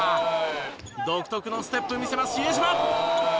独特のステップ見せます比江島！